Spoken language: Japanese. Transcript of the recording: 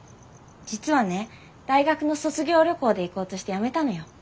実はね大学の卒業旅行で行こうとしてやめたのよ。